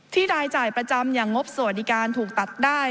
ที่รายจ่ายประจำยังงบสวดีการทูกตัดได้